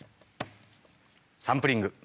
サンプリング。